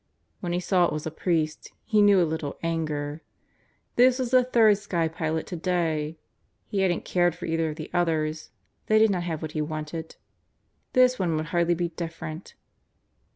When he saw it was a priest, he knew a little anger. This was the third sky pilot today. He hadn't cared for either of the others. They did not have what he wanted. This one would hardly be different.